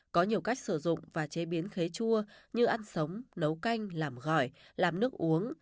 có nhiều cách sử dụng và chế biến khế chua như ăn sống nấu canh làm gỏi làm nước uống